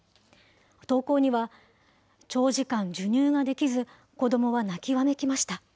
投稿には、長時間、授乳ができず、子どもは泣きわめきました。